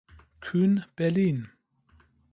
Kühn Berlin.